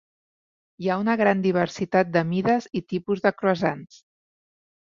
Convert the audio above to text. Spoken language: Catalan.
Hi ha una gran diversitat de mides i tipus de croissants.